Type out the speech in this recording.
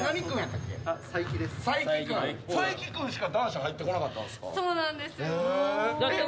佐伯君しか男子入ってこなかったんですか。